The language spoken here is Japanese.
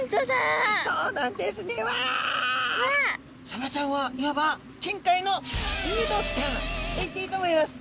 サバちゃんはいわばと言っていいと思います。